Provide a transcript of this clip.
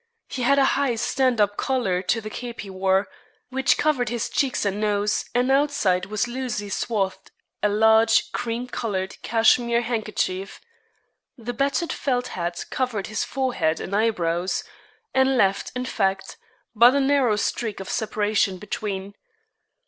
He had a high stand up collar to the cape he wore, which covered his cheeks and nose and outside was loosely swathed a large, cream coloured, cashmere handkerchief. The battered felt hat covered his forehead and eyebrows, and left, in fact, but a narrow streak of separation between.